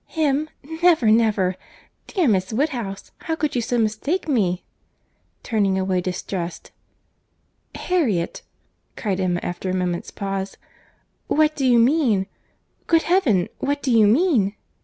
"Him!—never, never. Dear Miss Woodhouse, how could you so mistake me?" turning away distressed. "Harriet!" cried Emma, after a moment's pause—"What do you mean?—Good Heaven! what do you mean?